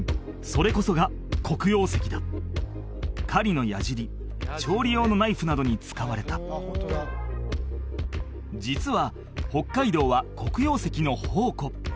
それこそが黒曜石だ狩りの矢尻調理用のナイフなどに使われた実は北海道は黒曜石の宝庫